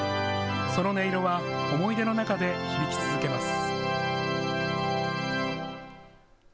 その音色は思い出の中で響き続けます。